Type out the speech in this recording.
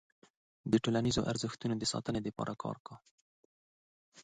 د ټولنیزو ارزښتونو د ساتنې لپاره کار کوي.